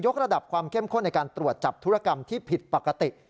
กระดับความเข้มข้นในการตรวจจับธุรกรรมที่ผิดปกติ